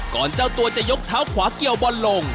เจ้าตัวจะยกเท้าขวาเกี่ยวบอลลง